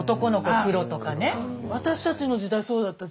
私たちの時代そうだった。